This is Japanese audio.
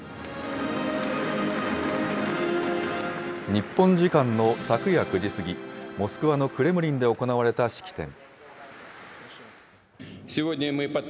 日本時間の昨夜９時過ぎ、モスクワのクレムリンで行われた式典。